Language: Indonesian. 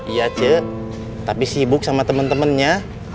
iya ce tapi sibuk sama temen temennya